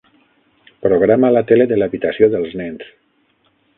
Programa la tele de l'habitació dels nens.